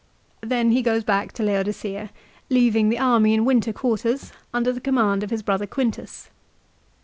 Then he goes back to Laodicea, leaving the army in winter quarters, under the command of his brother Quintus.